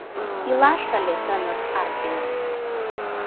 Илаш ыле тыныс арням.